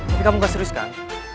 tapi kamu gak serius kan